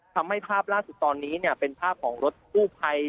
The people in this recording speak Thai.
ทำให้ภาพล่าสุดตอนนี้เป็นภาพของรถคู่ไภ